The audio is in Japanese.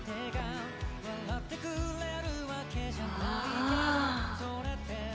ああ。